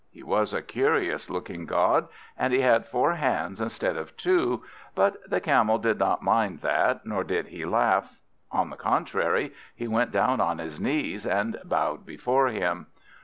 He was a curious looking god, and he had four hands instead of two; but the Camel did not mind that, nor did he laugh; on the contrary, he went down on his knees and bowed before him.